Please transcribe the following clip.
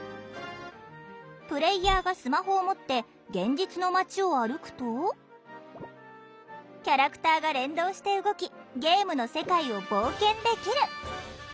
プレーヤーがスマホを持って現実の街を歩くとキャラクターが連動して動きゲームの世界を冒険できる！